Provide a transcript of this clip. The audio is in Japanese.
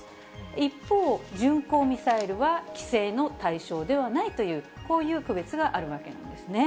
一方、巡航ミサイルは規制の対象ではないという、こういう区別があるわけなんですね。